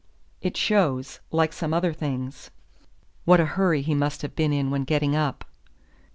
It shows, like some other things, what a hurry he must have been in when getting up."